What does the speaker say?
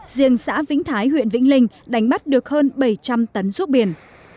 riêng xã vĩnh thái huyện vĩnh linh đánh bắt được hơn một năm trăm linh tấn rút biển